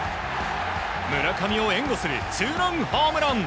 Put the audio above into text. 村上を援護するツーランホームラン。